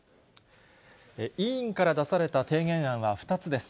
委員から出された提言案は２つです。